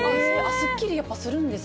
すっきりやっぱりするんですね。